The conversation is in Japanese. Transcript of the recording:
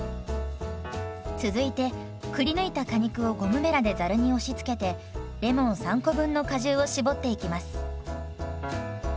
続いてくりぬいた果肉をゴムべらでざるに押しつけてレモン３個分の果汁を搾っていきます。